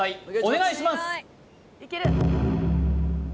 お願いします